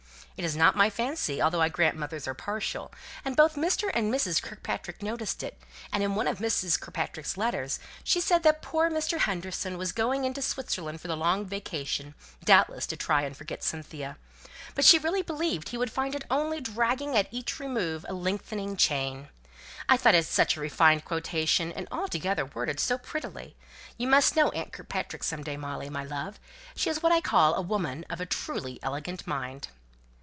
It is not my fancy, although I grant mothers are partial: both Mr. and Mrs. Kirkpatrick noticed it; and in one of Mrs. Kirkpatrick's letters, she said that poor Mr. Henderson was going into Switzerland for the long vacation, doubtless to try and forget Cynthia; but she really believed he would find it only 'dragging at each remove a lengthening chain.' I thought it such a refined quotation, and altogether worded so prettily. You must know aunt Kirkpatrick some day, Molly, my love; she is what I call a woman of a truly elegant mind."